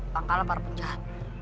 pangkalan para penjahat